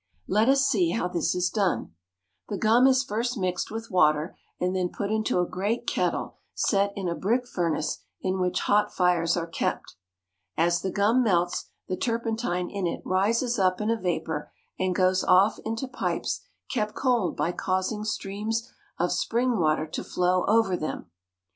Let us see how this is done. The gum is first mixed with water, and then put into a great kettle set in a brick furnace in which hot fires are kept. As the gum melts, the turpentine in it rises up in a vapor and goes off into pipes kept cold by causing streams of spring water to flow over them.